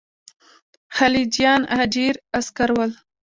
خلجیان اجیر عسکر ول.